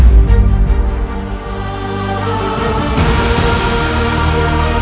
ibu nde mohon berjanjilah pada ibu nde